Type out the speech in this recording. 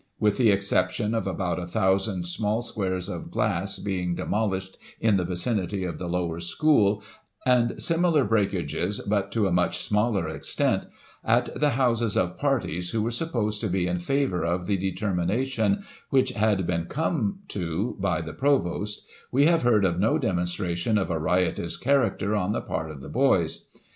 With the ex ception of about a thousand small squares of glass being demolished in the vicinity of the lower school, and similar breakages, but to a much smaller extent, at the houses of parties who were supposed to be in favour of the determination which had been come to by the Provost, we have heard of no demonstration of a riotous character on the part of the boys.